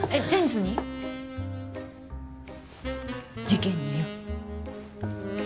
事件によ。